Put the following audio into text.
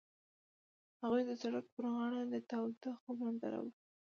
هغوی د سړک پر غاړه د تاوده خوب ننداره وکړه.